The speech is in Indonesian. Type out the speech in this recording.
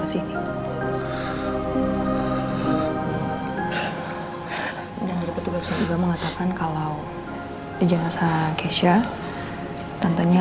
saya boleh ikut gak saya tantunya